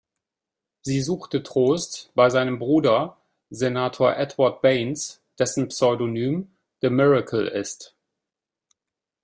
Sie suchte Trost bei seinem Bruder, Senator Edward Baynes, dessen Pseudonym „The Miracle“ ist.